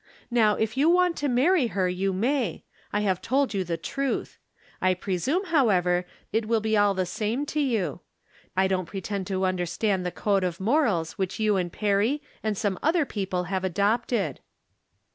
Now if you want to marry her you may. I have told you the truth. I presume, however, it will be all the same to you. I don't pretend to understand the code of morals which you and Perry and some other people have adopted."